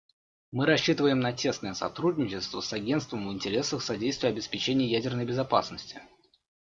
Мы рассчитываем на тесное сотрудничество с Агентством в интересах содействия обеспечению ядерной безопасности.